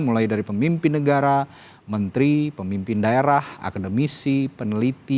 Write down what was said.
mulai dari pemimpin negara menteri pemimpin daerah akademisi peneliti